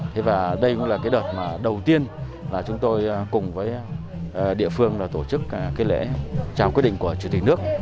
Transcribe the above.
thế và đây cũng là cái đợt mà đầu tiên là chúng tôi cùng với địa phương là tổ chức cái lễ trao quyết định của chủ tịch nước